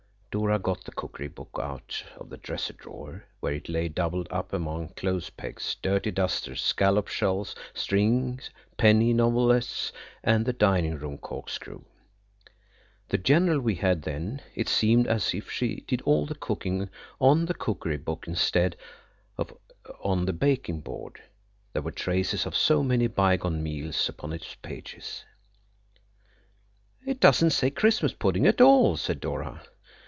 Dora got the cookery book out of the dresser drawer, where it lay doubled up among clothes pegs, dirty dusters, scallop shells, string, penny novelettes, and the dining room corkscrew. The general we had then–it seemed as if she did all the cooking on the cookery book instead of on the baking board, there were traces of so many bygone meals upon its pages. "It doesn't say Christmas pudding at all," said Dora.